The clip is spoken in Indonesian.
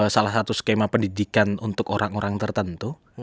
salah satu skema pendidikan untuk orang orang tertentu